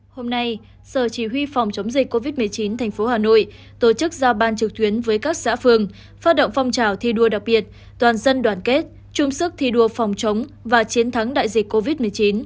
hôm nay sở chỉ huy phòng chống dịch covid một mươi chín thành phố hà nội tổ chức giao ban trực tuyến với các xã phường phát động phong trào thi đua đặc biệt toàn dân đoàn kết chung sức thi đua phòng chống và chiến thắng đại dịch covid một mươi chín